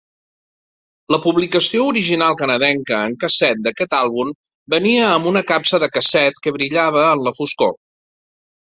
La publicació original canadenca en casset d'aquest àlbum venia amb una capsa de casset que brillava en la foscor.